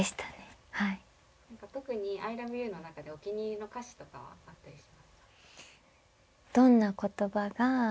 特に「アイラブユー」の中でお気に入りの歌詞とかあったりしますか？